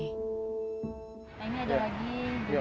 nah ini ada lagi ini memang dari tim berbuat baik